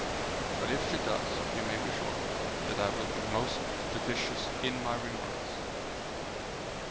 But if she does, you may be sure that I will be most judicious in my remarks."